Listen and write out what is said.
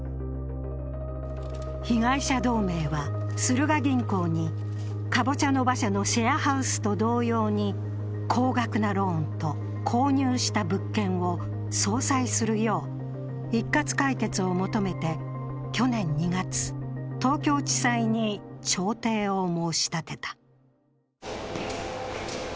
被害者同盟は、スルガ銀行にかぼちゃの馬車のシェアハウスと同様に、高額なローンと購入した物件を相殺するよう、一括解決を求めて去年２月東京地裁に調停を申し立てた。